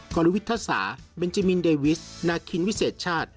กรวิทยาศาเบนจิมินเดวิสนาคินวิเศษชาติ